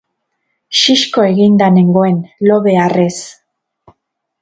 Xixko eginda nengoen, lo beharrez.